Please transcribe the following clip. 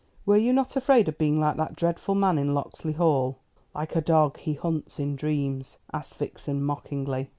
"Were you not afraid of being like that dreadful man in 'Locksley Hall'? Like a dog, he hunts in dreams," asked Vixen mockingly.